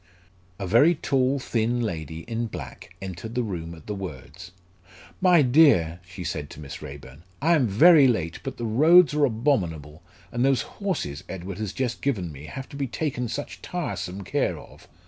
A very tall thin lady in black entered the room at the words. "My dear!" she said to Miss Raeburn, "I am very late, but the roads are abominable, and those horses Edward has just given me have to be taken such tiresome care of.